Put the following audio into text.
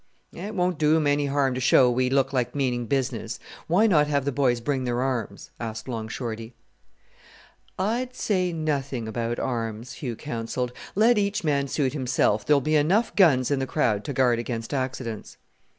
"It won't do 'em any harm to show we look like meaning business. Why not have the boys bring their arms?" asked Long Shorty. "I'd say nothing about arms," Hugh counselled. "Let each man suit himself; there'll be enough guns in the crowd to guard against accidents."